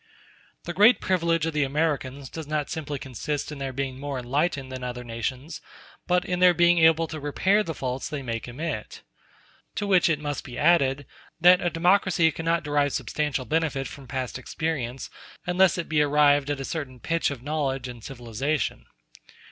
The great privilege of the Americans does not simply consist in their being more enlightened than other nations, but in their being able to repair the faults they may commit. To which it must be added, that a democracy cannot derive substantial benefit from past experience, unless it be arrived at a certain pitch of knowledge and civilization.